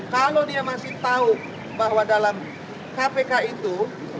kalau dia masih tahu bahwa dalam kpk itu